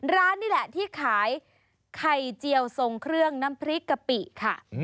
ร้านนี่แหละที่ขายไข่เจียวทรงเครื่องน้ำพริกกะปิค่ะ